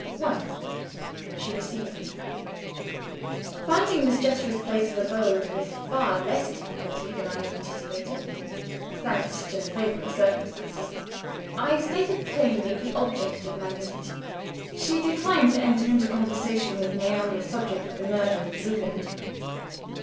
1. She Receives Me. "Finding Miss Jethro's place of abode, with far less difficulty than I had anticipated (thanks to favoring circumstances), I stated plainly the object of my visit. She declined to enter into conversation with me on the subject of the murder at Zeeland.